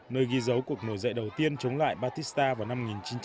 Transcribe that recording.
nơi ghi dấu cuộc nổi dậy đầu tiên chống lại batista vào năm một nghìn chín trăm bảy mươi